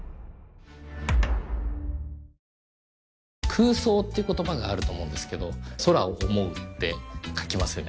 「空想」っていう言葉があると思うんですけど「空を想う」って書きますよね。